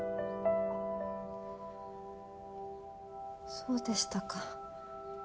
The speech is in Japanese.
そうでしたか。